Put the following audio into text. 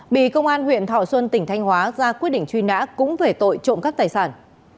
bị công an huyện thọ xuân tỉnh thanh hóa ra quyết định truy nã cũng về tội trộm cắp tài sản